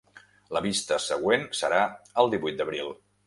La vista següent serà el divuit d’abril.